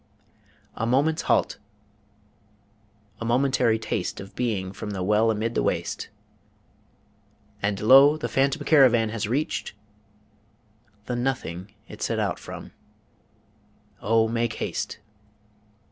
A moment's halt a momentary taste of being from the well amid the waste and lo! the phantom caravan has reached the nothing it set out from Oh make haste!